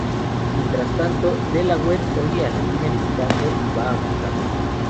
Mientras tanto, Delaware oye a la niña gritando y va a buscarla.